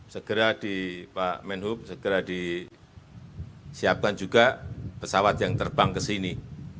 segera di pak menhub segera disiapkan juga pesawat yang terbang ke sini